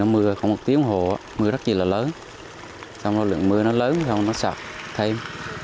mưa khoảng một tiếng hồ mưa rất là lớn lượng mưa lớn rồi nó sạc thêm